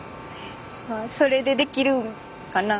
まあそれでできるんかな。